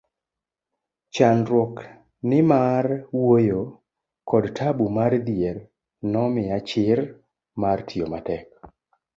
chandruok ni mar wuoyo kod tabu mar dhier nomiya chir mar tiyo matek